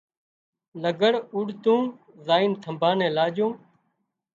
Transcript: لگھڙ اوڏتون زائينَ ٿمڀا نين لاڄون